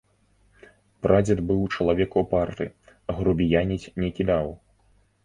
Прадзед быў чалавек упарты, грубіяніць не кідаў.